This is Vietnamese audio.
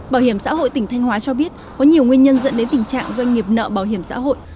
bảo hiểm xã hội tỉnh thanh hóa cho biết có nhiều nguyên nhân dẫn đến tình trạng doanh nghiệp nợ bảo hiểm xã hội